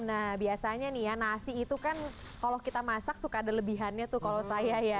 nah biasanya nih ya nasi itu kan kalau kita masak suka ada lebihannya tuh kalau saya ya